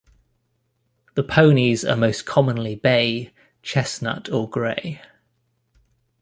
The ponies are most commonly bay, chestnut, or grey.